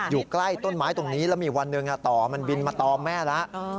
อยู่ใกล้ต้นไม้ตรงนี้แล้วมีวันหนึ่งต่อมันบินมาตอมแม่แล้ว